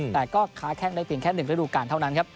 แต่ก็ค้าแข้งได้เพียงแค่๑ฤดูการเท่านั้นครับ